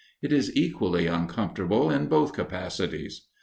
It is equally uncomfortable in both capacities.